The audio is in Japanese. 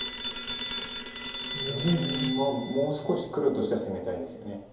もう少し黒としては攻めたいですよね。